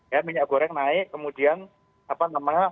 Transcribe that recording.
ya minyak goreng naik kemudian apa namanya